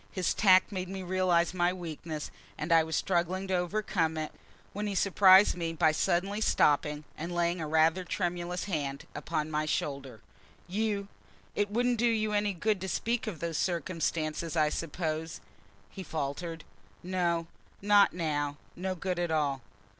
His tact made me realize my weakness, and I was struggling to overcome it when he surprised me by suddenly stopping and laying a rather tremulous hand upon my shoulder. "You It wouldn't do you any good to speak of those circumstances, I suppose?" he faltered. "No: not now: no good at all."